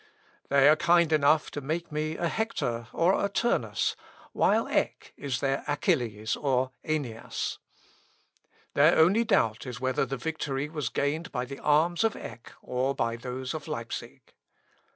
They are kind enough to make me a Hector or a Turnus, while Eck is their Achilles, or Æneas. Their only doubt is whether the victory was gained by the arms of Eck, or by those of Leipsic.